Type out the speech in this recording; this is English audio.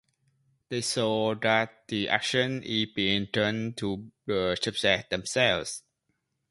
They show that the action is being done to the subject themselves.